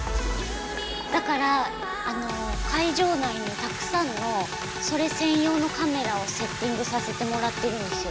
だから会場内にたくさんのそれ専用のカメラをセッティングさせてもらってるんですよ。